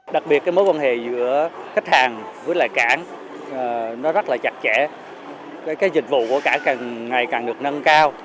đặc biệt mối quan hệ giữa khách hàng với cảng rất chặt chẽ dịch vụ của cảng ngày càng được nâng cao